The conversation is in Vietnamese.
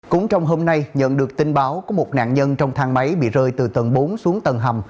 cũng trong hôm nay nhận được tin báo của một nạn nhân trong thang máy bị rơi từ tầng bốn xuống tầng hầm